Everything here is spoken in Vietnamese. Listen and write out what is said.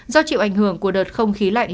do chịu ảnh hưởng của đợt không khí lạnh